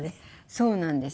そうなんです。